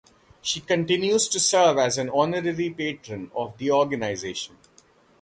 She continues to serve as an honorary patron of the organization.